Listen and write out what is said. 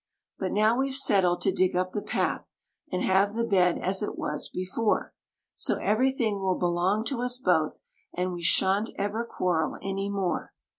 But now we've settled to dig up the path, and have the bed as it was before, So everything will belong to us both, and we shan't ever quarrel any more.